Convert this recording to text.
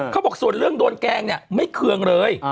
เขาบอกส่วนเรื่องโดนแกล้งเนี่ยไม่เคืองเลย